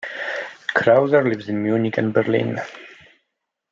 Krausser lives in Munich and Berlin.